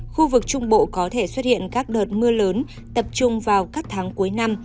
khu vực trung bộ có thể xuất hiện các đợt mưa lớn tập trung vào các tháng cuối năm